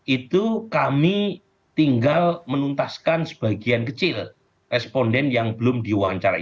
itu kami tinggal menuntaskan sebagian kecil responden yang belum diwawancarai